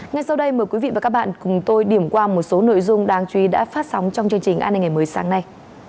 ngay sau đây mời quý vị và các bạn cùng tôi điểm qua một số nội dung đáng chú ý đã phát sóng trong chương trình an ninh ngày mới sáng nay